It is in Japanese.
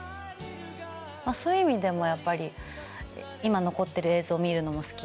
まぁそういう意味でも今残ってる映像見るのも好き。